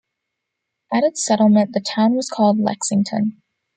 At its settlement, the town was called Lexington.